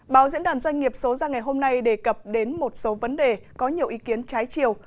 báo diễn đàn doanh nghiệp số ra ngày hôm nay đề cập đến một số vấn đề có nhiều ý kiến trái chiều